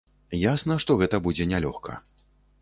Ясна, што гэта будзе нялёгка.